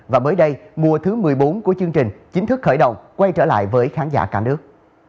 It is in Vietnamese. và mới đây mùa thứ một mươi bốn của chương trình chính thức khởi động quay trở lại với khán giả cả nước